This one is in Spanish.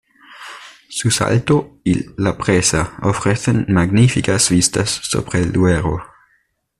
Su salto y la presa, ofrecen magníficas vistas sobre el Duero.